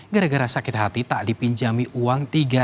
gara gara sakit hati tak dipinjami uang